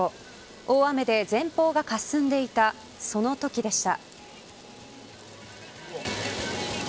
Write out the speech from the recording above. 大雨で前方がかすんでいたそのときでした。